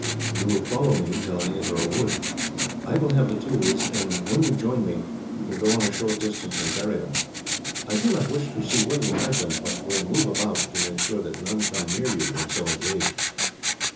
You will follow me, till I enter a wood. I will have the tools, and when you join me, you can go on a short distance and bury them. I do not wish to see where you hide them, but will move about, to make sure that none come near you when so engaged.